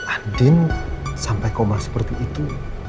adin sampai koma seperti itu